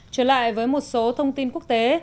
trở lại với một số thông tin quốc tế